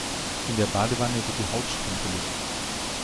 In der Badewanne wird die Haut schrumpelig.